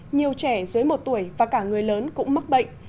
nhiều trẻ dưới một tuổi và cả người lớn cũng mắc bệnh